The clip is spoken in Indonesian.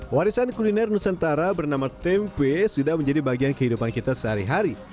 warisan kuliner nusantara bernama tempe sudah menjadi bagian kehidupan kita sehari hari